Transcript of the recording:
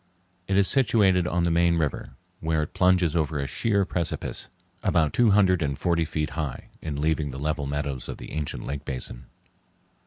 It is situated on the main river, where it plunges over a sheer precipice, about two hundred and forty feet high, in leaving the level meadows of the ancient lake basin.